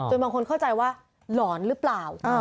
บางคนเข้าใจว่าหลอนหรือเปล่า